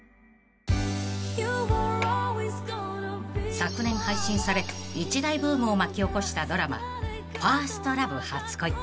［昨年配信され一大ブームを巻き起こしたドラマ『ＦｉｒｓｔＬｏｖｅ初恋』］